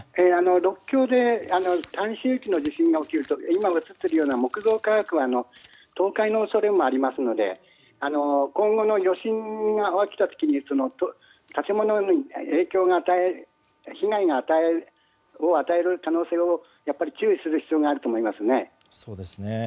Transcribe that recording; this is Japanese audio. ６強で短周期の地震が起きると木造家屋は倒壊の恐れもありますので今後の余震が起きた時に建物に被害を与える可能性をやっぱり注意する必要があると思いますね。